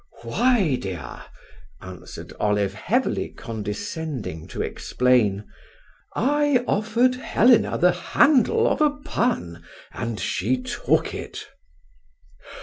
"Why, dear," answered Olive, heavily condescending to explain, "I offered Helena the handle of a pun, and she took it.